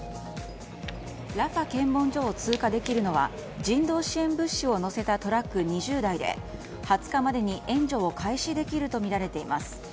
ラファ検問所を通過できるのは人道支援物資を乗せたトラック２０台で２０日までに援助を開始できるとみられています。